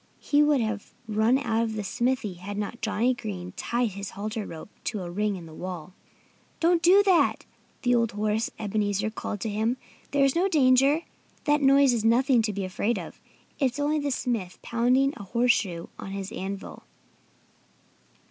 He would have run out of the smithy had not Johnnie Green tied his halter rope to a ring in the wall. "Don't do that!" the old horse Ebenezer called to him. "There's no danger. That noise is nothing to be afraid of. It's only the smith pounding a horseshoe on his anvil."